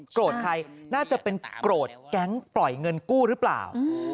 ใครน่าจะเป็นโกรธแก๊งปล่อยเงินกู้หรือเปล่า